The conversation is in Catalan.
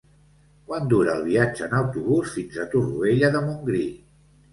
Quant dura el viatge en autobús fins a Torroella de Montgrí?